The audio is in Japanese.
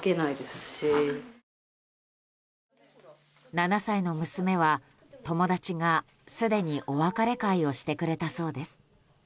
７歳の娘は、友達がすでにお別れ会をしてくれたそうです。